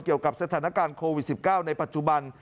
เกี่ยวกับสถานการณ์โควิด๑๙ในปัจจุบัน